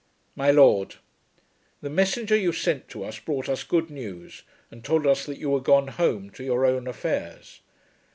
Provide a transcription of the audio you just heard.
MY LORD, The messenger you sent to us brought us good news, and told us that you were gone home to your own affairs.